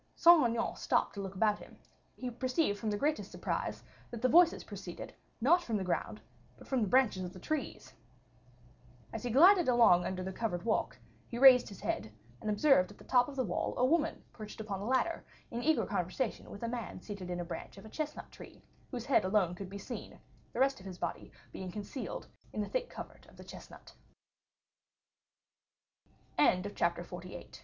Saint Aignan stopped to look about him; he perceived from the greatest surprise that the voices proceeded, not from the ground, but from the branches of the trees. As he glided along under the covered walk, he raised his head, and observed at the top of the wall a woman perched upon a ladder, in eager conversation with a man seated on a branch of a chestnut tree, whose head alone could be seen, the rest of his bo